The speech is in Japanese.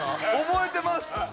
覚えてます